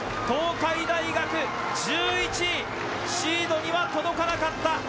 東海大学１１位シードには届かなかった。